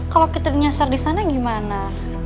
kalau kita menyasar di sana gimana